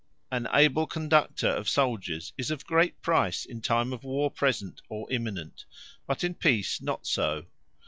An able conductor of Souldiers, is of great Price in time of War present, or imminent; but in Peace not so.